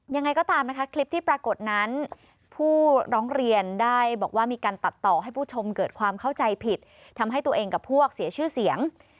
ยังไงก็ตามนะคะคลิปที่ปรากฏนั้นผู้ร้องเรียนได้บอกว่ามีการตัดต่อให้ผู้ชมเกิดความเข้าใจผิดทำให้ตัวเองกับพวกเสียชื่อเสียง